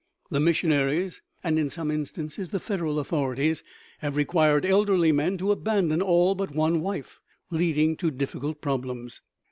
The missionaries, and in some instances the Federal authorities, have required elderly men to abandon all but one wife, leading to difficult problems.